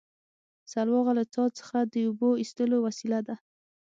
سلواغه له څا څخه د اوبو ایستلو وسیله ده